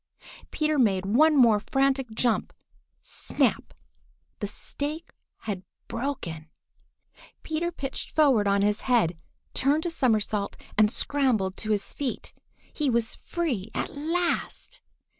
Peter made one more frantic jump. Snap! the stake had broken! Peter pitched forward on his head, turned a somersault, and scrambled to his feet. He was free at last!